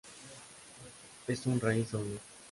Es una raíz doble.